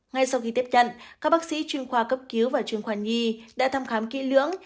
ngay sau khi tiếp nhận các bác sĩ chuyên khoa cấp cứu và chuyên khoa nhi đã thăm khám kỹ lưỡng